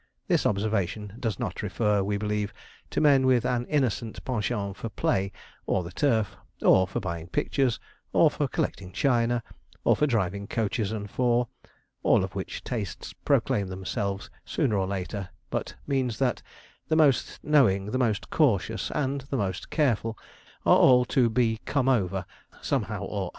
This observation does not refer, we believe, to men with an innocent penchant for play, or the turf, or for buying pictures, or for collecting china, or for driving coaches and four, all of which tastes proclaim themselves sooner or later, but means that the most knowing, the most cautious, and the most careful, are all to be come over, somehow or another.